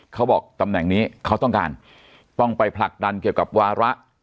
เขาบอกตำแหน่งนี้เขาต้องการต้องไปผลักดันเกี่ยวกับวาระ